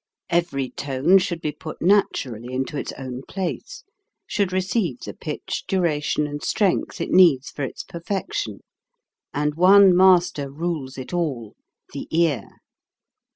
Every tone should be put naturally into its own place; should receive the pitch, duration, and strength it needs for its perfection. And one master rules it all, the ear